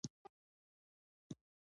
اوبه د فزیکي فعالیت لپاره اړتیا ده